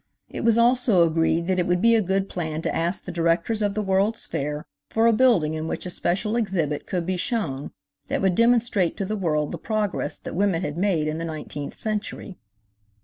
It was also agreed that it would be a good plan to ask the Directors of the World's Fair for a building in which a special exhibit could be shown that would demonstrate to the world the progress that women had made in the nineteenth century.